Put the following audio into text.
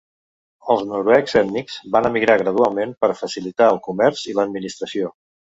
Els noruecs ètnics van emigrar gradualment per facilitar el comerç i l'administració.